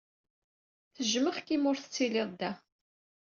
Tejjmeɣ-k mi ur tettiliḍ da.